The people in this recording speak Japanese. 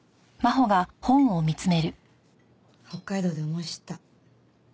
北海道で思い知った。